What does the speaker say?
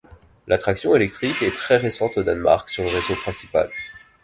La traction électrique est très récente au Danemark sur le réseau principal.